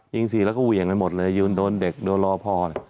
ยิง๔แล้วก็เวี่ยงไปหมดเลยโดนเด็กโดนล่อพ่อ